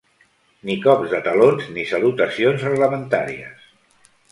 Ni cops de talons ni salutacions reglamentàries.